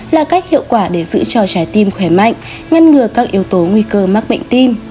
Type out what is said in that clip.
là cách hiệu quả để giữ cho trái tim khỏe mạnh ngăn ngừa các yếu tố nguy cơ mắc bệnh tim